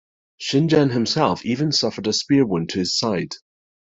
Shingen himself even suffered a spear wound to his side.